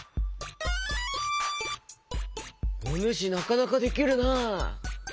おぬしなかなかできるな。